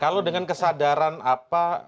kalau dengan kesadaran apa